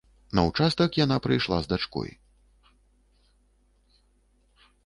На ўчастак яна прыйшла з дачкой.